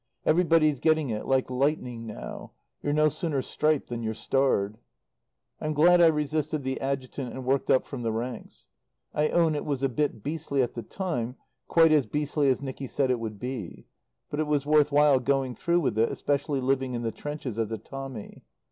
Everybody's getting it like lightning now. You're no sooner striped than you're starred. I'm glad I resisted the Adjutant and worked up from the ranks. I own it was a bit beastly at the time quite as beastly as Nicky said it would be; but it was worth while going through with it, especially living in the trenches as a Tommy.